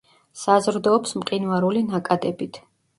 საზრდოობს მყინვარული ნაკადებით.